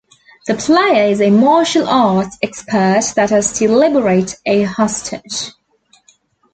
The player is a martial arts expert that has to liberate a hostage.